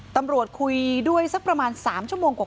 ตำรวจคุยด้วยสักประมาณ๓ชั่วโมงกว่า